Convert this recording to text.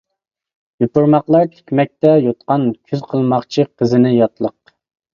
يوپۇرماقلار تىكمەكتە يوتقان، كۈز قىلماقچى قىزىنى ياتلىق.